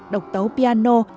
độc tấu piano